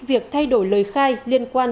việc thay đổi lời khai liên quan